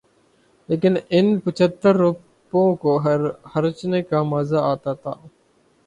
لیکن ان پچھتر روپوں کو خرچنے کا مزہ آتا تھا۔